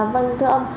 vâng thưa ông